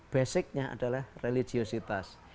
basicnya adalah religiositas